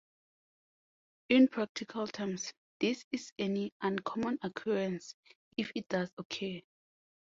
In practical terms, this is an uncommon occurrence if it does occur.